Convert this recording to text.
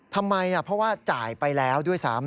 ทำไมเพราะว่าจ่ายไปแล้วด้วยซ้ำ